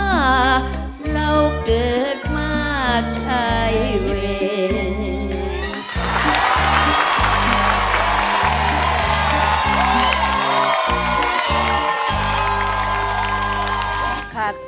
ว่าเราเกิดมาใช้เวร